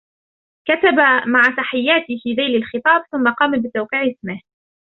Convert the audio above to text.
كتب " مع تحياتي " في ذيل الخطاب ثم قام بتوقيع اسمه.